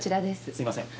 すいません。